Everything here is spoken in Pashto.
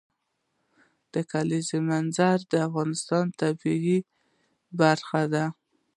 د کلیزو منظره د افغانستان د طبیعت برخه ده.